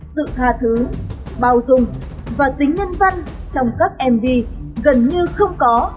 sự tha thứ bao dùng và tính nhân văn trong các mv gần như không có